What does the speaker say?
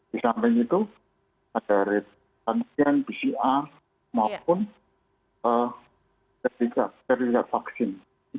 di samping itu ada rehatan pca maupun terikat vaksin